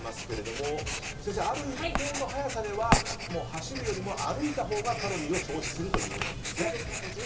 先生、ある一定の速さでは走るよりも歩いたほうがカロリーを消費するということなんですね。